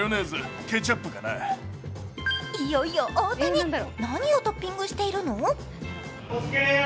いよいよ大谷、何をトッピングしているの？